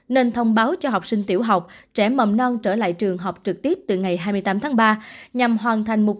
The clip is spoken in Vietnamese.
nên thông báo cho học sinh tiểu học trẻ mầm non trở lại trường học trực tiếp từ ngày hai mươi tám tháng ba